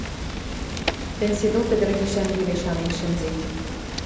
Тӹнь седок ӹдӹр гишӓн веле шанен шӹнзет...